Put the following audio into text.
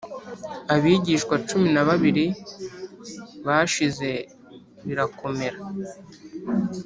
abigishwa cumi n abiri bashize birakomera